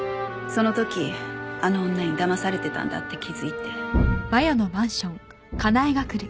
その時あの女にだまされてたんだって気づいて。